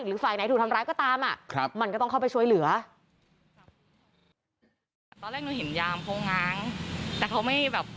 หรือฝ่ายไหนถูกทำร้ายก็ตามอะ